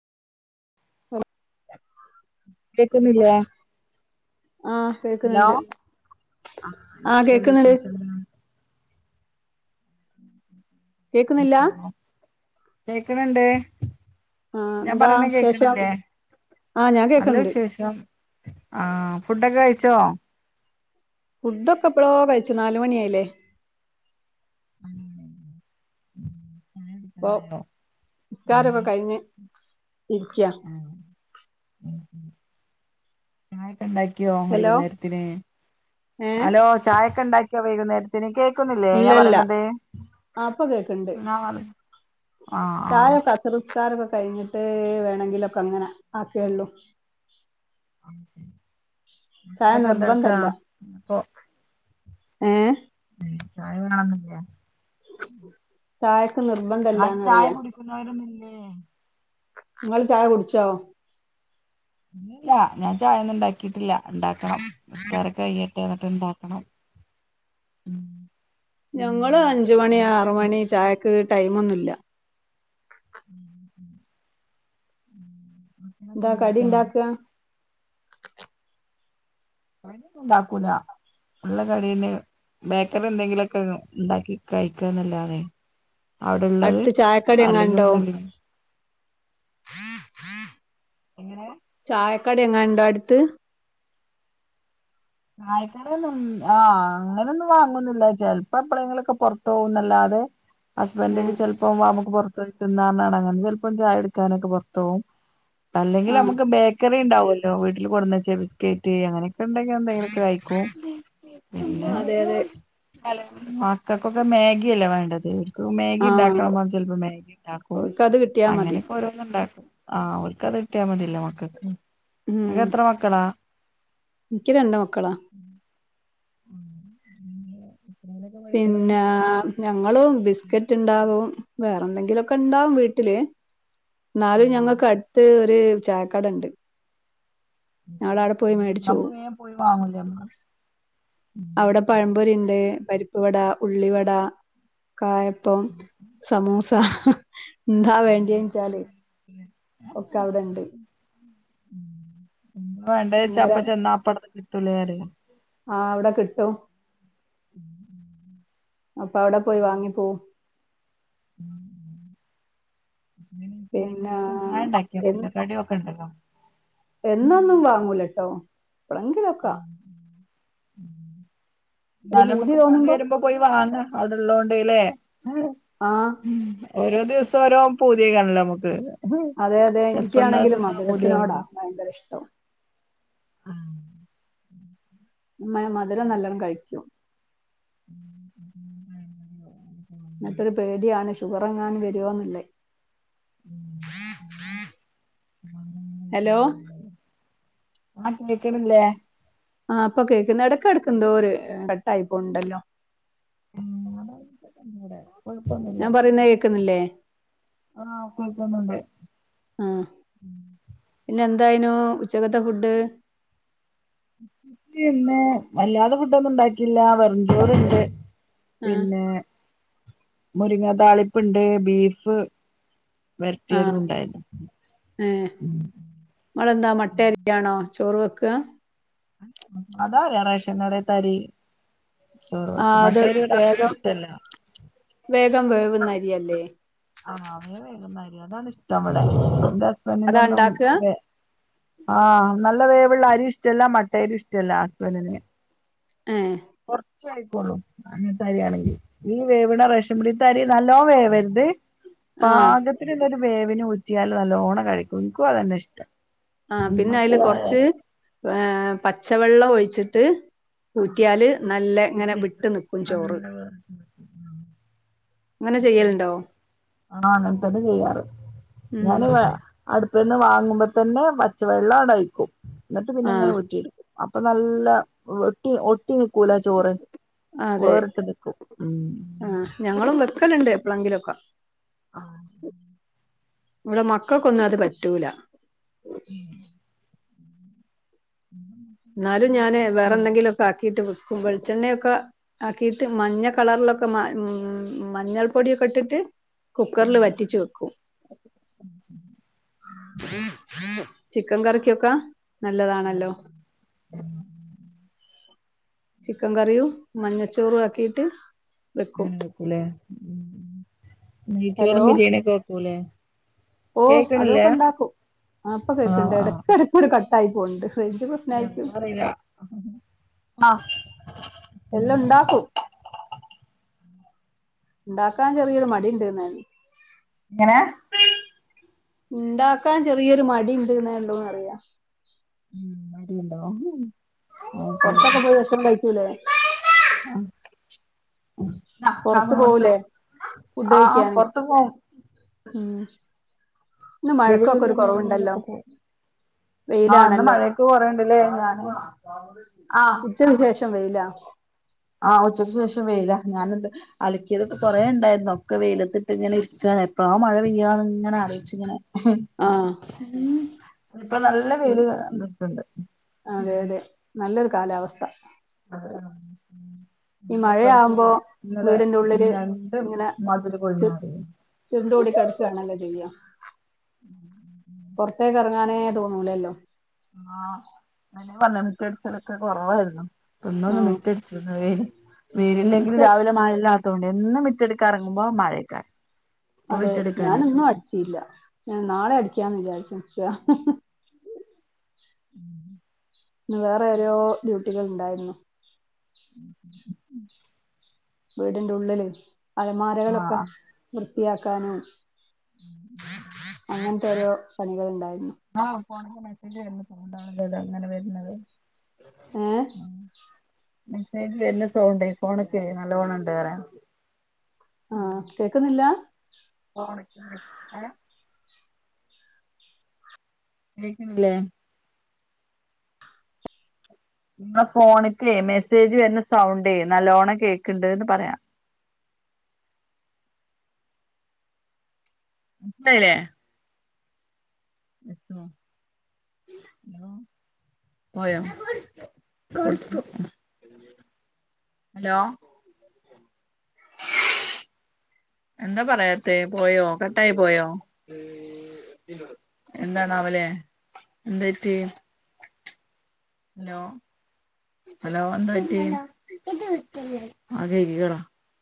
[inaudible] കേക്കുന്നില്ലേ ആഹ് ഹലോ കേക്കുന്നുണ്ട് ആഹ് എന്തൊക്കെയുണ്ട് വിശേഷം കേക്കുന്നില്ല കേക്കണുണ്ട് ആഹ് ഞാൻ എന്താ പറയണ വിശേഷം കേക്കണില്ലേ ആഹ് ഞാൻ നല്ല കേക്കണ്ട് വിശേഷം ആഹ് ഫുഡൊക്കെ കഴിച്ചോ ഫുഡ് ഒക്കെ എപ്പളോ കഴിച്ചു നാല് മണിയായില്ലേ മ് മ് ഇപ്പൊ നിസ്കാരഓക്കേ ഉം കഴിഞ്ഞ് ഇരിക്ക ആ ചായൊക്കെ ഉണ്ടാക്കിയോ ഹലോ വൈകുന്നേരത്തിന് ഏഹ് ഹലോ ചായയൊക്കെ ഉണ്ടാക്കിയോ വൈകുന്നേരത്തി ത്തിന് കേക്കുന്നില്ലേ ഞാൻ ഇല്ലല്ല പറയണത് ആഹ് ഇപ്പൊ കേക്കണ്ട് [unintelligible] ആഹ് ആഹ് ചായൊക്കെ അസർ നിസ്കാരക്കെ കഴിഞ്ഞട്ട് വേണെങ്കിലൊക്കെ അങ്ങനെ ആക്കെയുള്ളു ചായ എന്തെടുക്ക നിർബന്ധല്ല ഇപ്പൊ [unintelligible] ഏഹ് മം ചായ വേണംന്നിലെ ചായക്ക് നിർബന്ധ ഇല്ലാന്ന് അറിയാം ഇല്ലേ [unintelligible] ഇങ്ങള് ചായ കുടിച്ചോ ല്ല ഞാൻ ചായ ഒന്നും ഇണ്ടാക്കീട്ടില്ല ഇണ്ടാക്കണം നിസ്കാരൊക്കെ കയ്യ ട്ടെ ഇന്നിട്ട് ഇണ്ടാക്കണം ഉം ഞങ്ങളു അഞ്ച് പിന്നെ മണി ആറ് എന്തൊക്കെയാണ് മണി ചായക്ക് ടൈമൊന്നുല്ല [inaudible] ന്താ ഉണ്ടാക്കാ കടിണ്ടാക്ക കടി ഒന്നുണ്ടാക്കൂല ഇള്ള കട്യെന്നെ ബേക്കറി എന്തെങ്കിലൊക്കെ ഇണ്ടാക്കി കയ്ക്കാന്നല്ലാതെ അവ്ടെള്ളത് അടുത്ത് ചായക്കടി അല്ലെങ്കിൽ എങ്ങാണ്ടോ ഒന്നുൽ എങ്ങനെ ചായക്കടി എങ്ങാണ്ടോ അടുത്ത് ആ ആയി ആഹ് അങ്ങെനൊന്നും വാങ്ങൊന്നുല്ല ചെൽപ്പ എപ്പളെങ്കിലൊക്കെ പൊർത്ത് പോന്നല്ലാതെ ഹസ്ബൻഡ് ഒക്കെ ഏഹ് ചെൽപ്പം വാ നമുക്ക് പൊർത്ത് പോയി തിന്നാർഞാണ്ടങ്ങനെ ചെൽപം ചായുടിക്കാനൊക്കെ പൊർത്തോവും അല്ലെങ്കി ആഹ് നമുക്ക് ബേക്കറീ ഇണ്ടാവൊല്ലോ വീട്ടില് കൊട്ന്ന്ച്ചേ ബിസ്ക്കീറ്റ് അങ്ങനെക്കെ ഇണ്ടെങ്കി കയിക്കും പിന്നെ അതെ അതെ മക്കക്കൊക്കെ മാഗി അല്ലേ വേണ്ടത് മേഗി ആഹ് ഉണ്ടാക്കാം പറഞ്ഞ ചെൽപ്പോ മാഗി ഇണ്ടാക്കും ഓൽക്കത് കിട്ടിയാ മതി അങ്ങനെക്കെ ഓരോന്ന് ഇണ്ടാക്കും ആഹ് ഓല്ക്ക്‌ അത് കിട്ട്യാ മത്യേല്ലോ മക്കക്ക് ഇങ്ങക്ക് എത്ര മക്കളാ ആൻക്ക് രണ്ട് മക്കളാ ഉം [inaudible] പിന്നെ ഞങ്ങളും ബിസ്ക്കറ്റ് ഇണ്ടാകും വേറെന്തെങ്കിലൊക്കെ ഇണ്ടാകും വീട്ടില് ഇന്നാലും ഞങ്ങക്കട്ത്ത് ര് ചായക്കടണ്ട് മേടിച്ചു അപ്പൊ പോവും വേം പോയി വാങ്ങൂലേ നമ്മള് ഉം പഴംപൊരിണ്ട് പരിപ്പ് വട ഉള്ളിവട കായപ്പം സമൂസ് എന്താ വേണ്ടീന്ച്ചാല് ഒക്കെ അവ്ടെണ്ട് ഉം ന്താ വേണ്ടേച്ച അപ്പ അന്നേരം ചെന്ന അപ്പടത് കിട്ടൂലെ അറ്യ ആഹ് അവ്ടെ കിട്ടും അപ്പ അവ്ടെ പോയി വാങ്ങിപ്പോവും [inaudible] പിന്നെ എന്നും ചായണ്ടാക്ക്യാതീല്ലോ കടിയൊക്കെ നോക്കെണ്ടല്ലോ എന്നൊന്നും വാങ്ങൂലട്ടോ എപ്പളെങ്കിലുക്കെ ഒരു ന്നാലും പൂതി അമക്ക് തോന്നുമ്പോ പൂത്യെര്മ്പൊ പോയി വാങ്ങ അവ്ടെള്ളോണ്ട് ല്ലേ ആഹ് ഓരോ ദിവസൊ ഓരോ പൂത്യേക്കാരല്ലോ അമ്മക്ക് അതെ അതെ ഇൻക്കാണെങ്കില് മധുരത്തിനോടാ പൂതിയാവുണ്ടാവും ഭയ്ങ്കര ഇഷ്ടം ആഹ് മ മധുരം നല്ലണം കഴിക്കും ഉം ഉം [inaudible] മറ്റൊരു പേട്യാണ് ഷുഗർ എങ്ങാൻ വരുവോന്നിള്ളെ ഹലോ ആഹ് കേൾക്ക്ണില്ലേ ആഹ് ഇപ്പ കേക്കിന്ന എടക്കെട്ക്ക് എന്തോര് കട്ടായിപ്പോണ്ടല്ലോ [inaudible] കുയ്പ്പൊന്നുല്ല ഞാൻ പറയുന്ന കേക്കുന്നില്ലേ ആഹ് കേൾക്കുന്നുണ്ട് ആഹ് പിന്നെ എന്തായിനു ഉച്ചക്കത്തെ ഫുഡ്ഡ് പിന്നെ വല്ലാതെ ഫുഡ്ഡൊന്നും ഇണ്ടാക്കീല്ല വെറും ചോറിണ്ട് ആഹ് പിന്നെ മുരിങ്ങാ താളിപ്പിണ്ട് ബീഫ് ആഹ് വര്ട്ട്യേതുണ്ടായിന് ഉം നിങളെന്താ മട്ടരിയാണോ ചോറ് വെക്ക അതാ റാവശ്യം ഇടത്തരി ചോറക്ക ആഹ് അത് മട്ടയില ഇവിടെ ആക്കും വേഗം ഇഷ്ടല്ല വേഗം വേവുന്നരിയല്ലേ ആഹ അവേ വേഗുന്നാര്യം അതാണ് ഇഷ്ടം അവിടെ എറെ അതാ ഹസ്ബൻറിനൊന്നും ഇണ്ടാക്കാ ആഹ് നല്ല വേവുള്ള അരി ഇഷ്ടമല്ല മട്ടയരി ഇഷ്ടമല്ല ആലെ ഏഹ് കുറച്ച ആയിക്കോള്ളൂ അങ്ങനെത്തരി ആണെങ്കിൽ ഈ വേവിണ റെഷമുടിത്തരി നല്ലോ വേവരുത് ആഹ് പാകത്തി ഇന്തരു വേവിന് ഊറ്റിയാല് നല്ലോണം കഴിക്കും എനിക്കും അതന്നെ ഇഷ്ടം ആ പിന്നെ അതില് മക്കള് കൊറച്ച് ഏഹ് പച്ചവെള്ളം ഒഴിച്ചിട്ട് ഊറ്റിയാല് നല്ല ഇങ്ങനെ വിട്ടു ഊറ്റിയെടുക്കണം നിക്കും ചോറ് അങ്ങനെ ചെയ്യലുണ്ടോ ആഹങ്ങൻ തന്നെ ചെയ്യാറ് ഉം ഞാന വേ അടുപ്പന്ന് വാങ്ങുമ്പോ തന്നെ പച്ചവെള്ളം അടയ്ക്കും എന്നിട്ട് പിന്നെ ഇങ്ങനെ ആഹ് വട്ടിയെടുക്കും അപ്പൊ നല്ല ഒട്ടി ഒട്ടി നിക്കൂല ചോറ് അതെ വേറിട്ട് നിക്കും ആ ഉം ഞങ്ങളും വെക്കലുണ്ട് എപ്പോളെങ്കിലും ഒക്കെ ആ ഇവിടെ മക്കൾക്കൊന്നും അത് പറ്റൂല ഉം ഉം എന്നാലും ഞാന് വേറെ എന്തെങ്കിലുമ ഒക്കെ ആക്കിട്ട് വെക്കും വെളിച്ചെണ്ണയൊക്കെ ആക്കീട്ട് മഞ്ഞ കളറിലൊക്കെ മ മ മഞ്ഞൾ പൊടിയൊക്കെ ഇട്ടിട്ട് കുക്കറിൽ വറ്റിച്ചു വെക്കൂ ഉം ചിക്കൻ കറിക്കൊക്കെ നല്ലതാണല്ലോ ചിക്കൻ കറിയും മഞ്ഞച്ചോറും ആക്കിട്ട് വെക്കും ല്ല നീച്ചോറം ബിരിയാണി ഒക്കെ വെക്കല്ലേ ഓ അതൊക്കെ ഉണ്ടാക്കും ആപ്പൊ ആഹ് കേക്കണ്ട് ഇടക്ക ഇടക്ക് ഒരു കട്ടായി പോണ്ട് ഫ ന്താ പറയില്ല ആഹ എല്ലാം ഉണ്ടാക്കും ഉണ്ടാക്കാൻ ചെറിയൊരു മടി ഉണ്ടരുന്നരുന്നു എങ്ങനാ ഉണ്ടാക്കാൻ ചെറിയൊരു മടി ഉണ്ടിരുന്നണ്ടോന്ന് അറിയാം ഉം അടി ണ്ടാവ പുറത്തൊക്കെ പോയി വെഷം കഴികുലേ [unintelligible] പുറത്ത് ത്ത പോവൂലേ ഫുഡ് ആഹ് കഴിക്കാന് പുറത്തു പോ ഉം ഇന്ന് മഴക്കൊക്കെ ഒരു കുറവുണ്ടല്ലോ വവിള്ളൊക്ക ആഹ് അന്ന് വെയിലാണല്ലോ മഴയൊക്കെ കുറണ്ടില്ലേ ഞാന് ആഹ ഉച്ചക്ക് ശേഷം വെയിലാ ആഹ് ഉച്ചയ്ക്കുശേഷം വെയിലാ. ഞാനുണ്ട് അലക്കിയതൊക്കെ കൊറേ ഉണ്ടായിരുന്നു ഒക്കെ വെയിലത്തിട്ട് ഇങ്ങനെ ഇരിക്ക എപ്പ ആ മഴെയ്യാന്ന് ഇങ്ങനെ അറിയിച്ച ഇങ്ങനെ ഉം ആഹ് ഉം ഇപ്പോൾ നല്ല ഉം വെയില് വന്നിട്ടുണ്ട് അതെ ഉം അതെ നല്ലൊരു കാലാവസ്ഥ ഈ ആഹ പ്പറത്ത് മഴയാവുമ്പോ ഇന്നലെ വീടിന്റെ ഉള്ളില് രണ്ടും മധുര കൊഴിഞ്ഞാറ ചുരുണ്ടു കൂടി കിടക്കുകയാണല്ലോ ചെയ്യാം പുറത്തേക്ക് ഇറങ്ങാനേ തോന്നൂലല്ലോ ആഹ് പറഞ്ഞ മറ്റ അടിച്ചിലൊക്കെ കുറവായിരുന്നു ഇന്നൊന്ന് ആഹ് മറ്റടിച്ചു വ മുറ്റ വേനല്ലെങ്കിലിൽ രാവിലെ മഴല്ല ഇപ്പോ എന്നും മിറ്റെടുക്ക ഇറങ്ങുമ്പോ മഴേക്ക അതെ ഞാനൊന്നും അടിച്ചില്യ ഞാൻ നാളെ അടിക്കാന്ന് വിചാരിച്ച് നിക്ക. ഇ വേറെ ഓരോ ഡ്യൂട്ടികൾ ഇണ്ടായിരുന്നു. വീടിന്റെ ഉള്ളില് അൾമാരകളൊക്കെ ആഹ് വൃത്തിയാക്കാനും. അങ്ങൻത്തെ ഓരോ പണികൾ ഇണ്ടായിരുന്നു. ആ ഫോണ്ക്ക് മെസ്സേജ് വര്ന്ന സൗണ്ടാണല്ലേ ഇങ്ങനെ വര്ന്നത് ഏഹ് മെസ്സേജ് വരുന്ന സൗണ്ട് ഫോണ്ക്ക് നല്ലോണണ്ട്റയ. ആഹ് കേക്ക്ന്നില്ല? ഫോണ്ക്ക് മെസ്സേ ഹേഹ് കേക്ണില്ലേ? ഇങ്ങളെ ഫോണ്ക്ക് മെസ്സേജ് വര്ന്ന സൗണ്ട് നല്ലോണ്ണം കേക്ക്ണ്ട് ന്ന് പറയാ. മനസ്സിലായിലെ വെച്ചോ ലോ പോയോ? [unintelligible] ഹലോ. എന്താ പറയാത്തെ പോയോ കട്ടായി പോയോ? എന്താണാവോലെ എന്ത്‌പറ്റി? നോ ഹലോ എന്താ പറ്റിയെ? [unintelligible] അതെയ്തിക്കാള